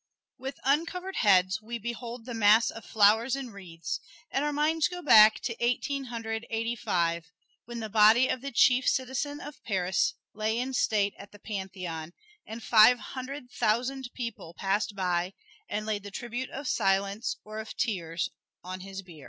With uncovered heads, we behold the mass of flowers and wreaths, and our minds go back to Eighteen Hundred Eighty five, when the body of the chief citizen of Paris lay in state at the Pantheon and five hundred thousand people passed by and laid the tribute of silence or of tears on his bier.